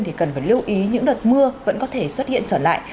thì cần phải lưu ý những đợt mưa vẫn có thể xuất hiện trở lại